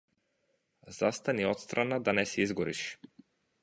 Застани отсрана да не се изгориш.